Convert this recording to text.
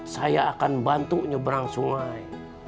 saya akan bantu nyeberang sungai